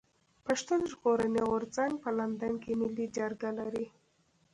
پښتون ژغورني غورځنګ په لندن کي ملي جرګه لري.